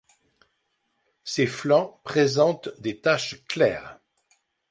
Ses flancs présentent des taches claires.